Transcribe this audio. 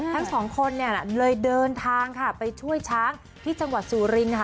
ทั้งสองคนเนี่ยเลยเดินทางค่ะไปช่วยช้างที่จังหวัดสุรินค่ะ